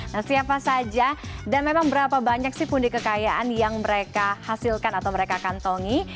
nah siapa saja dan memang berapa banyak sih pundi kekayaan yang mereka hasilkan atau mereka kantongi